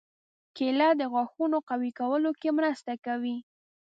کېله د غاښونو قوي کولو کې مرسته کوي.